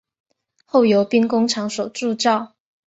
后由兵工厂所铸制。